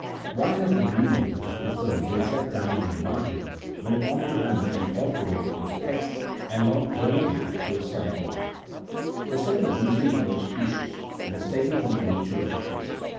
Why has the meaning which is pre ferred been set down in the margin when it ought to have been incorporated in the text, and not relegated to a side note? The second reason is more specious, and is taken from the nature of the case.